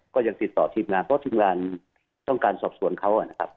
ก็ยังติดต่อทีมงานเพราะทีมงานต้องการสอบสวนเขานะครับ